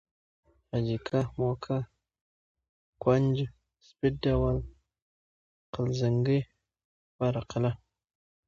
حاجي که، موکه، کونج، سپید دیوال، قل زنگي، پاره قلعه